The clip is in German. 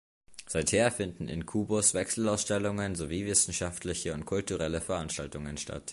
Seither finden im Kubus Wechselausstellungen sowie wissenschaftliche und kulturelle Veranstaltungen statt.